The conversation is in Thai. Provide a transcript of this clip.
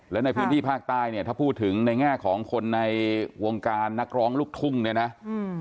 และในพื้นที่ภาคใต้เนี่ยถ้าพูดถึงในแง่ของคนในวงการนักร้องลูกทุ่งเนี่ยนะอืม